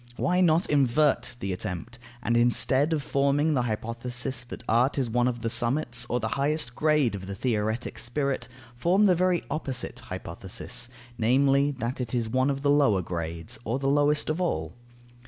Why not invert the attempt, and instead of forming the hypothesis that art is one of the summits or the highest grade of the theoretic spirit, form the very opposite hypothesis, namely, that it is one of the lower grades, or the lowest of all?